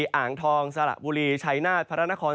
สลังทองสลักบุรีชัยนาธิ์พระนคร